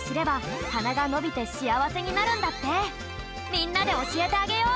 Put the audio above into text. みんなでおしえてあげよう。